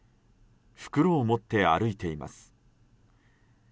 袋を持って歩いています。